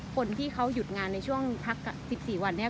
คนที่เขาหยุดงานในช่วงพัก๑๔วันเนี่ย